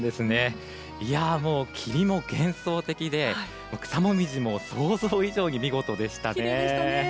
霧も幻想的で草紅葉も想像以上に見事でしたね。